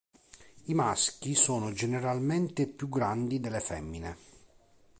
I maschi sono generalmente più grandi delle femmine.